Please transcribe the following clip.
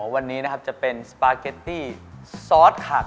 อ๋อวันนี้จะเป็นสปาเก็ตตี้ซอสขากัด